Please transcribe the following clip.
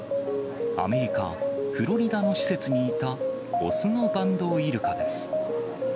アメリカ・フロリダの施設にいた、雄のバンドウイルカです。